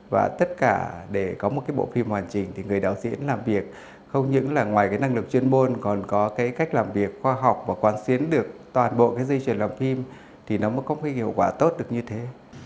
và tất cả để có một cái bộ phim hoàn chỉnh thì người đạo diễn làm việc không những là ngoài cái năng lực chuyên môn còn có cái cách làm việc khoa học và quan xuyến được toàn bộ cái dây chuyển làm phim thì nó mới có một cái hiệu quả tốt được như thế